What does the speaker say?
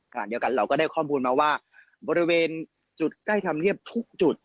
ขณะเดียวกันเราก็ได้ข้อมูลมาว่าบริเวณจุดใกล้ธรรมเนียบทุกจุด